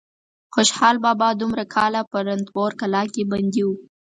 خوشحال بابا دومره کاله په رنتبور کلا کې بندي و.